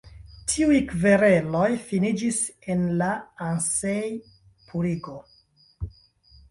Tiuj kvereloj finiĝis en la Ansei-purigo.